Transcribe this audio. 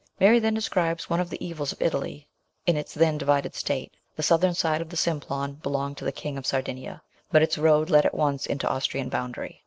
Mary then describes one of the evils of Italy in its then divided state. The southern side of the Simplon belonged to the King of Sardinia, but its road led at once into Austrian boundary.